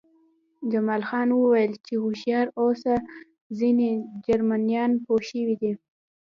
جمال خان وویل چې هوښیار اوسه ځینې جرمنان پوه شوي دي